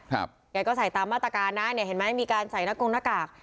แกก็ใส่ตามมาตรการนะเนี่ยเห็นไหมมีการใส่หน้ากงหน้ากาก